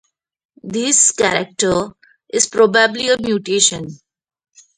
This character is probably a mutation.